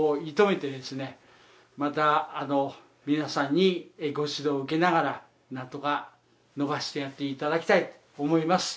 また皆さんにご指導を受けながらなんとか伸ばしてやっていただきたいと思います。